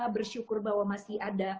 bersyukur bahwa masih ada bumi ini